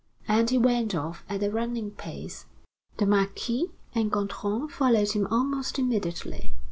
And he went off at a running pace. The Marquis and Gontran followed him almost immediately.